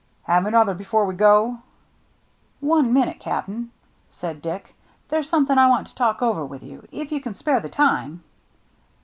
Have another before we go?" " One minute, Cap'n," said Dick. " There's something I want to talk over with you, if you can spare the time."